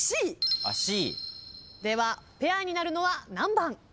ではペアになるのは何番？